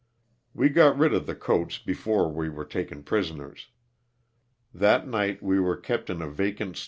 We got rid of the coats before we were taken prisoners. That night we were kept in a vacant LOSS OF THE SULTANA.